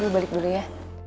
gue balik dulu ya